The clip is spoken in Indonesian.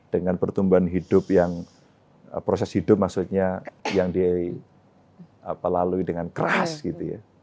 dengan pertumbuhan hidup yang proses hidup maksudnya yang dilalui dengan keras gitu ya